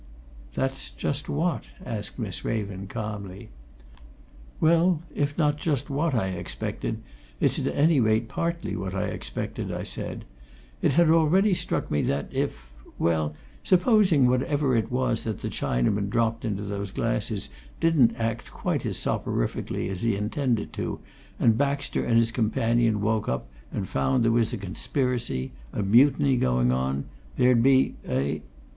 "That's just what?" asked Miss Raven calmly. "Well, if not just what I expected, it's at any rate partly what I expected," I said. "It had already struck me that if well, supposing whatever it was that the Chinaman dropped into those glasses didn't act quite as soporifically as he intended it to, and Baxter and his companion woke up and found there was a conspiracy, a mutiny, going on, there'd be eh?"